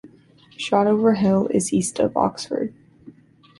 Shotover Hill is east of Oxford.